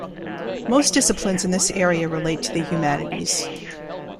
Most disciplines in this area relate to the humanities.